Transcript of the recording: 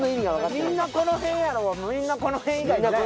みんなこの辺やろはみんなこの辺以外ない。